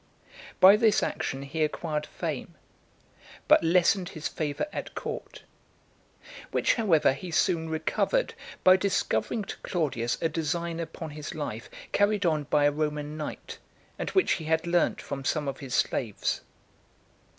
By this action he acquired fame, but lessened his favour at court; which, however, he soon recovered, by discovering to Claudius a design upon his life, carried on by a Roman knight , and which he had learnt from some of his slaves.